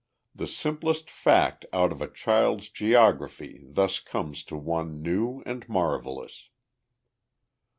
The simplest fact out of a child's geography thus comes to one new and marvellous.